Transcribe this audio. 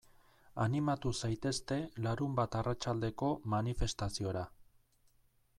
Animatu zaitezte larunbat arratsaldeko manifestaziora.